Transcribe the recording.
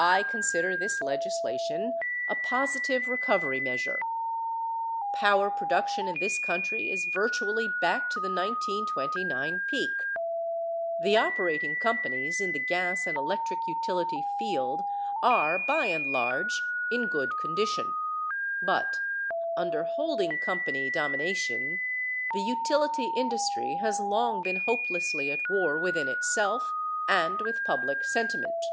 I consider this legislation a positive recovery measure. Power production in this country is virtually back to the 1929 peak. The operating companies in the gas and electric utility field are by and large in good condition. But under holding company domination the utility industry has long been hopelessly at war within itself and with public sentiment.